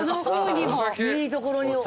いいところに。